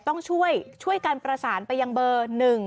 ต้องช่วยการประสานไปยังเบอร์๑๖๖๙